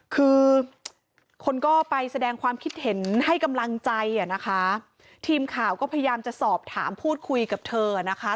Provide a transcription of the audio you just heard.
คือคนก็ไปแสดงความคิดเห็นให้กำลังใจอ่ะนะคะทีมข่าวก็พยายามจะสอบถามพูดคุยกับเธอนะคะ